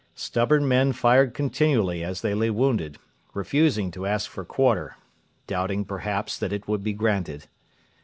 Stubborn men fired continually as they lay wounded, refusing to ask for quarter doubting, perhaps, that it would be granted.